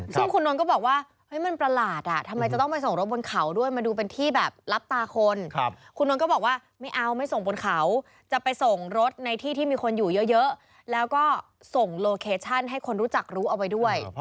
ซึ่งคุณนนท์ก็บอกว่ามันประหลาด